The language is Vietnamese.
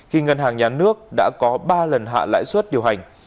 khi ngân hàng nhà nước đã có ba lần hạ lãi suất điều hành